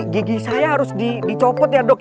gigi saya harus dicopot ya dok